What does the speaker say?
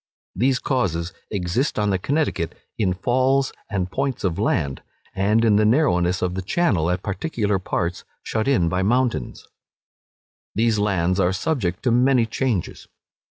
These causes exist on the Connecticut in falls and points of land, and in the narrowness of the channel at particular parts shut in by mountains. These lands are subject to many changes.